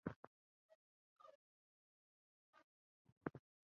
蜂窝大厦是纽西兰国会园区内的一座建筑。